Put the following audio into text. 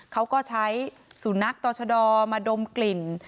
เขาก็ใช้สูนักต่อชะดอมาดมกลิ่น